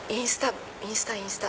インスタインスタ。